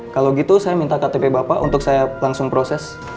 kalau gitu saya minta ktp bapak untuk saya langsung proses